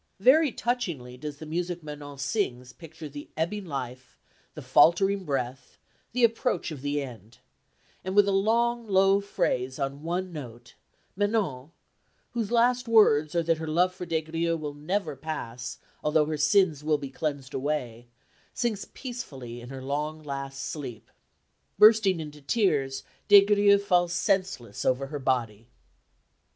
Very touchingly does the music Manon sings picture the ebbing life, the faltering breath, the approach of the end; and, with a long, low phrase on one note, Manon, whose last words are that her love for Des Grieux will never pass although her sins will be cleansed away, sinks peacefully in her long last sleep. Bursting into tears Des Grieux falls senseless over her body.